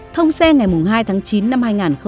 thông xe ngày hai tháng chín năm hai nghìn một mươi tám